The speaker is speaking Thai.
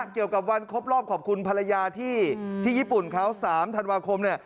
เกี่ยวกับวันครบรอบขอบคุณภรรยาที่ญี่ปุ่นเขา๓ธันวาคมเนี่ย